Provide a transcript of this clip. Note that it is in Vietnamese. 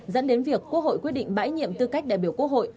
dẫn đến việc quốc hội quyết định bãi nhiệm tư cách đại biểu quốc hội